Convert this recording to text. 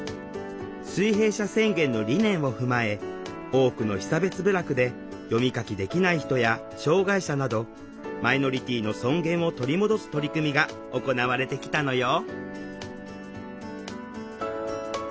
水平社宣言の理念をふまえ多くの被差別部落で読み書きできない人や障害者などマイノリティーの尊厳を取り戻す取り組みが行われてきたのよ。